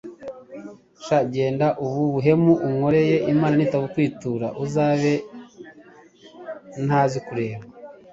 Sha, genda ubu buhemu unkoreye Imana nitabukwitura nzabe ntazi kureba!